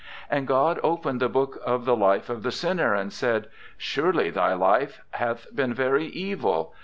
'And God opened the Book of the life of the sinner and said, "Surely thy life hath been very evil.